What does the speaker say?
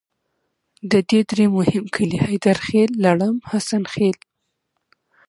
د دې درې مهم کلي حیدرخیل، لړم، حسن خیل.